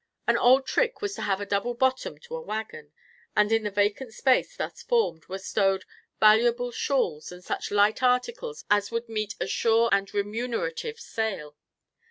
An old trick was to have a double bottom to a wagon, and, in the vacant space thus formed, were stowed valuable shawls and such light articles as would meet a sure and remunerative sale.